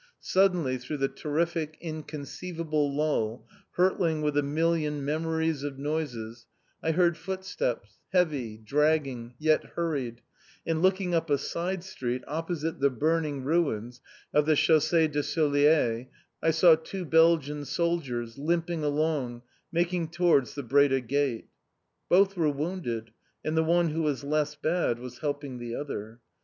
Suddenly, through the terrific, inconceivable lull, hurtling with a million memories of noises, I heard footsteps, heavy, dragging, yet hurried, and looking up a side street opposite the burning ruins of the Chaussée de Souliers, I saw two Belgian soldiers, limping along, making towards the Breda Gate. Both were wounded, and the one who was less bad was helping the other.